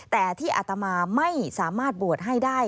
แต่ที่อัตมาไม่สามารถบวชให้ได้